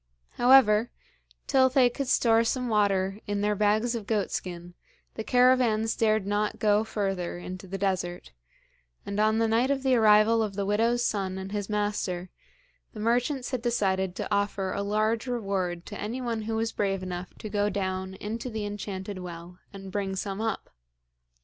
However, till they could store some water in their bags of goat skin, the caravans dared not go further into the desert, and on the night of the arrival of the widow's son and his master, the merchants had decided to offer a large reward to anyone who was brave enough to go down into the enchanted well and bring some up.